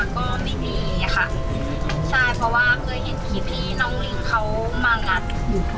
เพราะว่าเคยเห็นคลิปที่น้องหลีกเขามางัดอยู่